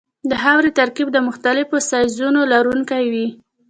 د خاورې ترکیب د مختلفو سایزونو لرونکی وي